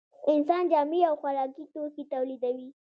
انسان جامې او خوراکي توکي تولیدوي